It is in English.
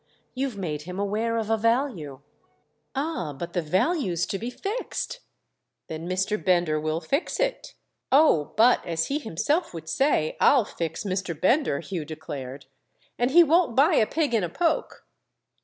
You've made him aware of a value." "Ah, but the value's to be fixed!" "Then Mr. Bender will fix it!" "Oh, but—as he himself would say—I'll fix Mr. Bender!" Hugh declared. "And he won't buy a pig in a poke."